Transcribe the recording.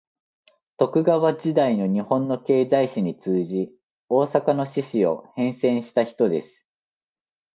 徳川時代の日本の経済史に通じ、大阪の市史を編纂した人です